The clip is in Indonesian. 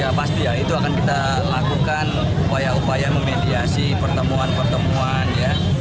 ya pasti ya itu akan kita lakukan upaya upaya memediasi pertemuan pertemuan ya